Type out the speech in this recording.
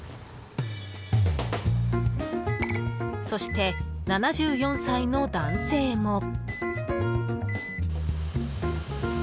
そして、７４歳の男性も。